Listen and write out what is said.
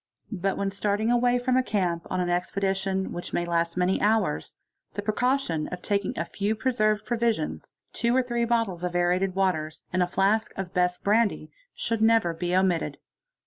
But vhen starting away from a camp on an expedition which may last many 7 ° NAAN = LARD! 'hours, the precaution of taking a few preserved provisions, two or three ottles of wrated waters and a flask of best brandy should never be y mitted.